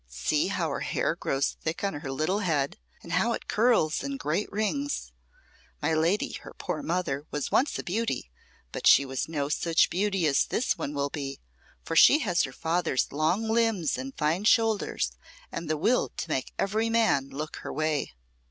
See how her hair grows thick on her little head, and how it curls in great rings. My lady, her poor mother, was once a beauty, but she was no such beauty as this one will be, for she has her father's long limbs and fine shoulders, and the will to make every man look her way."